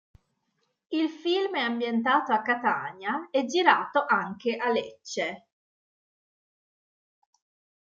Il film è ambientato a Catania e girato anche a Lecce.